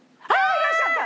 いらっしゃった。